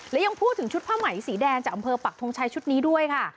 และยังพูดถึงชุดผ้าไหมสีแดงจากอำเภอปักทงชัยชุดนี้ด้วยค่ะ